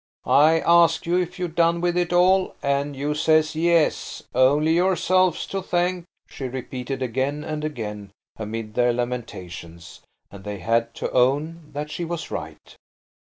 "I ask you if you done with it all, an' you says 'Yes'–only yourselves to thank," she repeated again and again amid their lamentations, and they had to own that she was right.